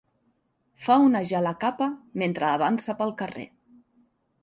Fa onejar la capa mentre avança pel carrer.